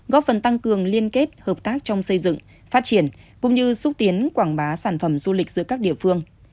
góp phần tăng cường liên kết hợp tác trong xây dựng phát triển cũng như xúc tiến quảng bá sản phẩm du lịch giữa các địa phương